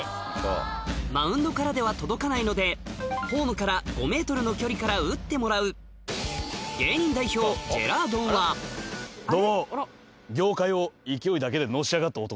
マウンドからでは届かないのでホームから５ｍの距離から打ってもらうどうも。